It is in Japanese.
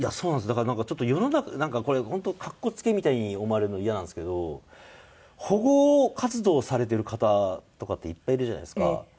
だからなんかちょっと世の中なんかこれ本当格好付けみたいに思われるのイヤなんですけど保護活動をされてる方とかっていっぱいいるじゃないですか。